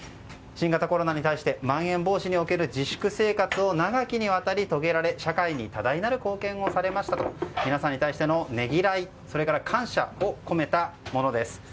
新型コロナに対してまん延防止における自粛生活を長きにわたり遂げられ社会に多大なる貢献をされましたと皆さんに対してのねぎらいや感謝を込めたものです。